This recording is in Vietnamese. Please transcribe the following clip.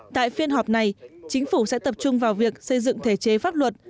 tại phiên họp này chính phủ sẽ tập trung vào việc xây dựng thể chế pháp luật